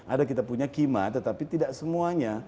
ada kita punya kima tetapi tidak semuanya